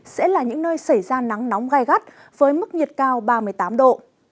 sẽ xảy ra nắng nóng gai gắt với mức nhiệt cao ba mươi tám độ